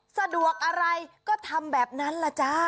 สะดวกอะไรก็ทำแบบนั้นล่ะจ้า